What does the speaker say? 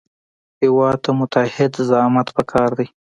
هېواد ته متعهد زعامت پکار دی